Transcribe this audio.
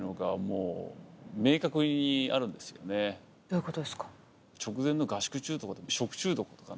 どういうことですか？